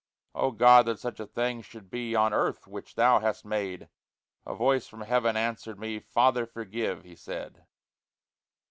Oh, God, that such a thing should be On earth which Thou hast made! A voice from heaven answered me, "Father forgive," He said.